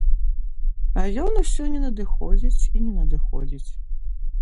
А ён усё не надыходзіць і не надыходзіць.